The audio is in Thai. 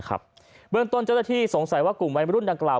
เบื้องต้นเจ้าหน้าที่สงสัยว่ากลุ่มวัยมรุ่นดังกล่าว